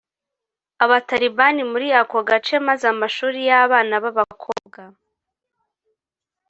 abatalibani muri ako gace maze amashuri y abana b abakobwa